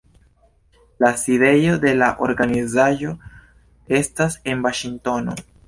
La sidejo de la organizaĵo estas en Vaŝingtono.